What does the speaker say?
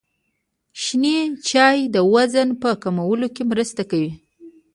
شنې چايي د وزن په کمولو کي مرسته کوي.